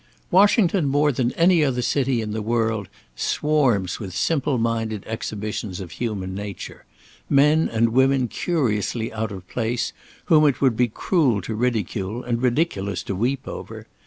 Washington more than any other city in the world swarms with simple minded exhibitions of human nature; men and women curiously out of place, whom it would be cruel to ridicule and ridiculous to weep over.